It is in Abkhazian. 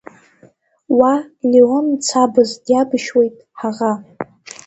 Уа Леон мцабыз, диабашьуеит ҳаӷа.